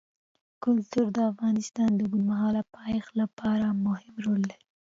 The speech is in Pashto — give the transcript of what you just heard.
کلتور د افغانستان د اوږدمهاله پایښت لپاره مهم رول لري.